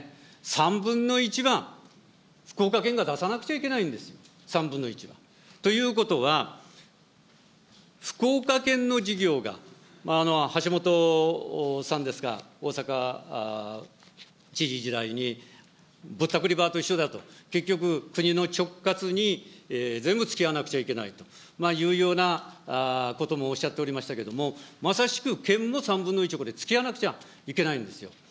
３分の１は福岡県が出さなくちゃいけないんですよ、３分の１は。ということは、福岡県の事業が、橋下さんですか、大阪知事時代に、ぼったくりバーと一緒だと、結局、国の直轄に全部つきあわなくちゃといけないというようなこともおっしゃっておりましたけども、まさしく県も３分の１、つきあわなくちゃいけないんですよ。